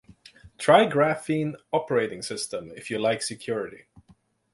Try Graphene Operating System, if you like security.